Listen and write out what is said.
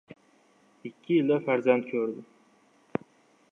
Ikki yilda farzand ko‘rdi.